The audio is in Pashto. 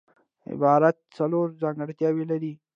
عبارت څلور ځانګړتیاوي لري.